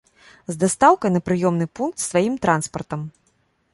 З дастаўкай на прыёмны пункт сваім транспартам.